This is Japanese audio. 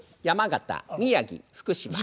山形宮城福島。